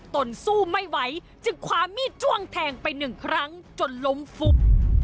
นสู้ไม่ไหวจึงคว้ามีดจ้วงแทงไปหนึ่งครั้งจนล้มฟุบ